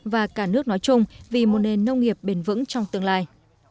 và cả nước nói chung vì một nền nông nghiệp bền vững trong tương lai